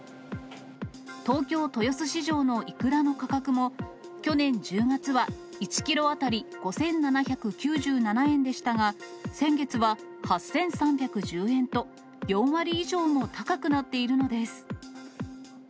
東京豊洲市場のイクラの価格も、去年１０月は１キロ当たり５７９７円でしたが、先月は８３１０円と、４割以上も高くなっているのです。